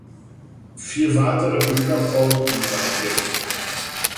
Vier weitere Bücher folgten seitdem.